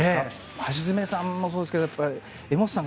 橋爪さんもそうだと思いますけど柄本さんが。